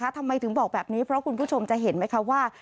ทำไมถึงบอกแบบนี้เพราะคุณผู้ชมจะเห็นไหมคะว่า